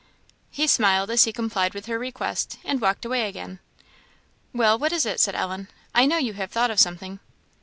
He smiled as he complied with her request, and walked away again. "Well, what is it?" said Ellen; "I know you have thought of something."